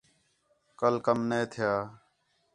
کل کَم نے تِھیا